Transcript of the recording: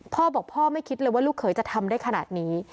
พ่อบอกพ่อไม่คิดเลยว่าลูกเขยจะทำได้ขนาดนี้